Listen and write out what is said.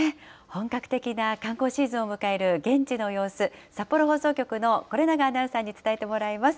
本格的な観光シーズンを迎える現地の様子、札幌放送局の是永アナウンサーに伝えてもらいます。